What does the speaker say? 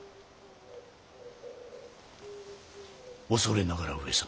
恐れながら上様